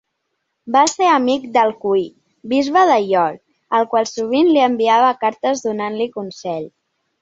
Va ser amic d'Alcuí, bisbe de York, el qual sovint li enviava cartes donant-li consell.